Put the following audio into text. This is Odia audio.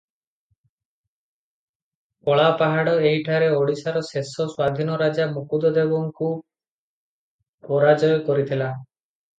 କଳାପାହାଡ଼ ଏହିଠାରେ ଓଡ଼ିଶାର ଶେଷ ସ୍ୱାଧୀନରାଜା ମୁକୁନ୍ଦଦେବଙ୍କୁ ପରାଜୟ କରିଥିଲା ।